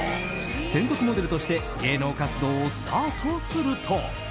専属モデルとして芸能活動をスタートすると。